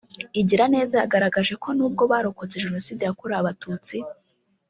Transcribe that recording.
Igiraneza yagaragaje ko nubwo barokotse Jenoside yakorewe Abatutsi